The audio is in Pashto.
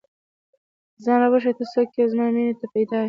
ځان راوښیه، ته څوک ئې؟ زما مینې ته پيدا ې